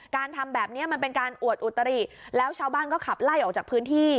ทำแบบนี้มันเป็นการอวดอุตริแล้วชาวบ้านก็ขับไล่ออกจากพื้นที่